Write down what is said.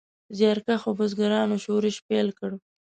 زیارکښو بزګرانو شورش پیل کړ.